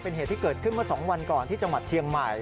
เป็นเหตุที่เกิดขึ้นเมื่อ๒วันก่อนที่จังหวัดเชียงใหม่